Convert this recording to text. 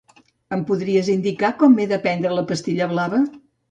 Em podries indicar quan m'he de prendre la pastilla blava?